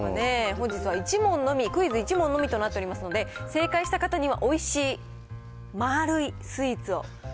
本日は１問のみ、クイズ１問のみとなっておりますので、正解した方には、食べたい！